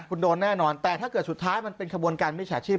คุณโดนแน่นอนแต่ถ้าเกิดสุดท้ายมันเป็นขบวนการมิจฉาชีพ